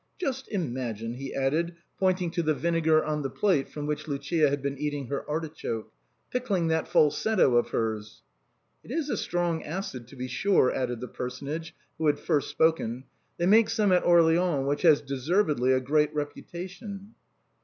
Just imagine !" he added, pointing to the vinegar on the plate from which Lucia had been eating her artichoke; " pickling that falsetto of hers !"" It is a strong acid, to be sure," added the personage who had first spoken. " They make some at Orleans which has deservedly a great reputation."